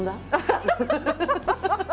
ハハハハ！